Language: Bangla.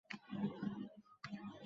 অলৌকিক ঘট।